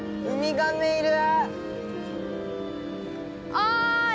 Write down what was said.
おい！